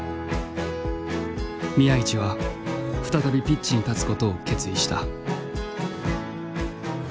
宮市は再びピッチに立つことを決意した。